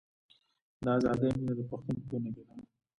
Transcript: د ازادۍ مینه د پښتون په وینه کې ده.